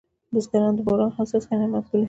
بزګر د باران هر څاڅکی نعمت بولي